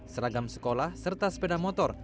seragam sekolah serta sepeda motor